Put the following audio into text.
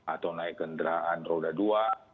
atau naik kendaraan roda dua